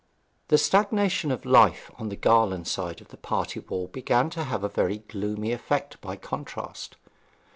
The stagnation of life on the Garland side of the party wall began to have a very gloomy effect by the contrast.